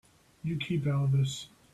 You keep out of this.